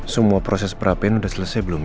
semua proses perapian sudah selesai belum